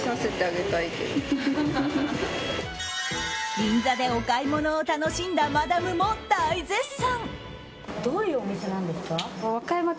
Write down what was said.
銀座でお買い物を楽しんだマダムも大絶賛。